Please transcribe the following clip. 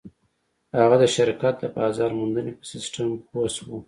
هغه د شرکت د بازار موندنې په سيسټم پوه شو.